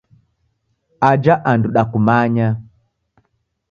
Aja andu dakumanya.